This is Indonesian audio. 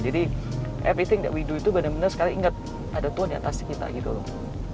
jadi everything that we do itu benar benar sekali ingat ada tuhan di atasnya kita gitu loh